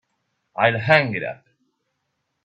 I'll hang it up.